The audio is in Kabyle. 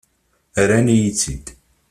Rran-iyi-tt-id.